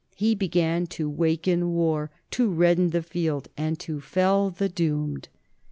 He began to waken war, to redden the field, and to fell the doomed.